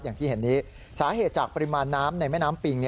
อย่างที่เห็นนี้สาเหตุจากปริมาณน้ำในแม่น้ำปิง